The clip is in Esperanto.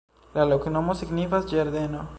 La loknomo signifas: ĝardeno.